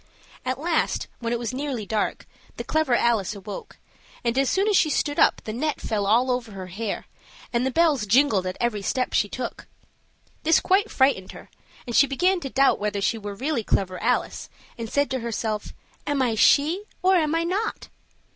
At last, when it was nearly dark, the clever Alice awoke, and as soon as she stood up, the net fell all over her hair, and the bells jingled at every step she took. This quite frightened her, and she began to doubt whether she were really Clever Alice, and said to herself, "Am I she, or am I not?"